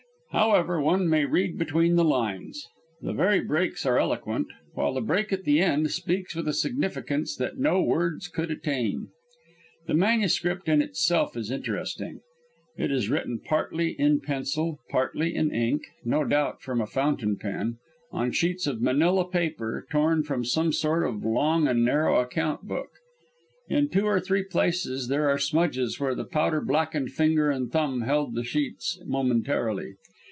However, one may read between the lines; the very breaks are eloquent, while the break at the end speaks with a significance that no words could attain. The manuscript in itself is interesting. It is written partly in pencil, partly in ink (no doubt from a fountain pen), on sheets of manila paper torn from some sort of long and narrow account book. In two or three places there are smudges where the powder blackened finger and thumb held the sheets momentarily.